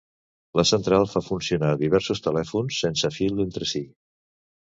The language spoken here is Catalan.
La central fa funcionar diversos telèfons sense fil entre si.